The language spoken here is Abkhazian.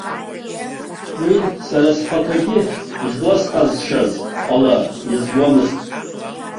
Уи сара схаҭагьы изласҟазшьаз ала изуамызт.